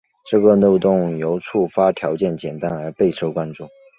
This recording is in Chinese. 这个漏洞由于触发条件简单而备受关注。